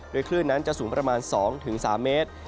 คลื่นนั้นจะสูงประมาณ๒๓เมตร